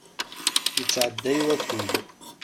Ittɛedday wakud.